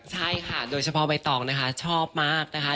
ใช่ค่ะโดยเฉพาะใบตองนะคะชอบมากนะคะ